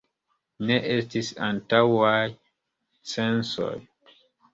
Ne estis antaŭaj censoj.